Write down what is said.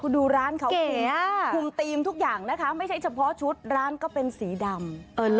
ดูร้านเขาคุมธีมทุกอย่างนะคะไม่ใช่เฉพาะชุดร้านก็เป็นสีดำ